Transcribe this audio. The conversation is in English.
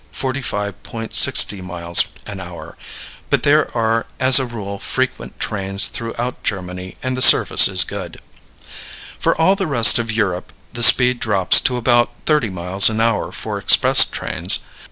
60 miles an hour; but there are as a rule frequent trains throughout Germany and the service is good. For all the rest of Europe the speed drops to about 30 miles an hour for express trains.